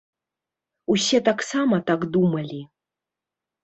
Усе таксама так думалі.